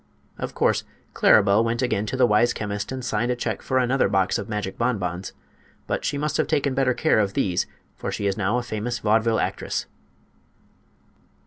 Of course Claribel went again to the wise chemist and signed a check for another box of magic bonbons; but she must have taken better care of these, for she is now a famous vaudeville actress.